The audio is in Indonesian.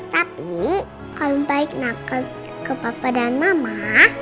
tapi kalau mbak nakal ke papa dan mama